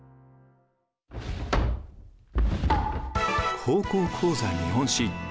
「高校講座日本史」。